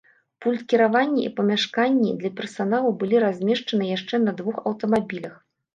Пульт кіравання і памяшканні для персаналу былі размешчаны яшчэ на двух аўтамабілях.